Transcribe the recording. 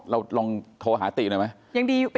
เราลองโทรหาติหน่อยไหม